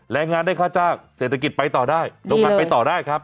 แรงงานได้ค่าจ้างเศรษฐกิจไปต่อได้โรงงานไปต่อได้ครับ